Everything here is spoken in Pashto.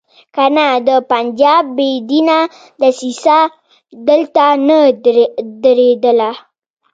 کنه د پنجاب بې دینه دسیسه دلته نه درېدله.